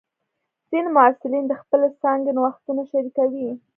ځینې محصلین د خپلې څانګې نوښتونه شریکوي.